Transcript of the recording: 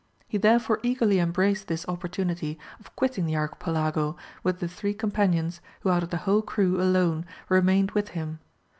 He therefore eagerly embraced this opportunity of quitting the Archipelago with the three companions who out of the whole crew alone remained with him.